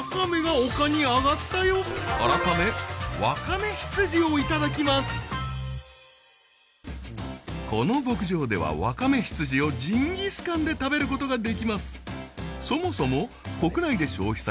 改めこの牧場ではわかめ羊をジンギスカンで食べることができます